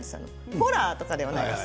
ホラーではないです。